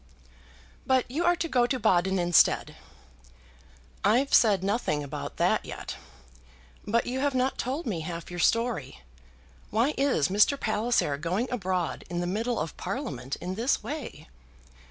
"But you are to go to Baden instead." "I've said nothing about that yet. But you have not told me half your story. Why is Mr. Palliser going abroad in the middle of Parliament in this way?"